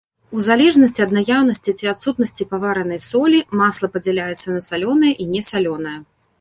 У залежнасці ад наяўнасці ці адсутнасці паваранай солі, масла падзяляецца на салёнае і несалёнае.